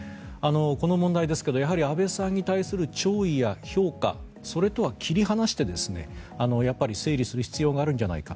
この問題ですがやはり安倍さんに対する弔意や評価それとは切り離してやっぱり整理する必要があるんじゃないか。